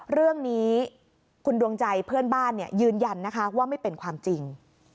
เรื่องนี้คุณดวงใจเพื่อนบ้านยืนยันนะคะว่าไม่เป็นความจริง